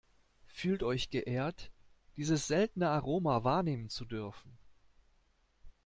Fühlt euch geehrt, dieses seltene Aroma wahrnehmen zu dürfen!